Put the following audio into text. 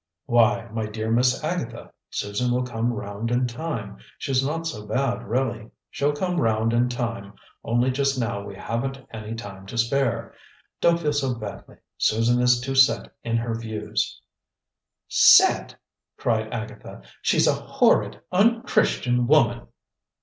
"Why, my dear Miss Agatha, Susan will come round in time. She's not so bad, really. She'll come round in time, only just now we haven't any time to spare. Don't feel so badly; Susan is too set in her views " "'Set!'" cried Agatha. "She's a horrid, un Christian woman!"